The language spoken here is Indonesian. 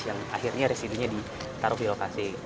yang akhirnya residunya ditaruh di lokasi